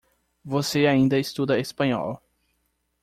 Você ainda estuda Espanhol.